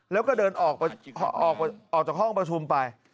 แล้วก็เดินออกจากห้องประชุมไป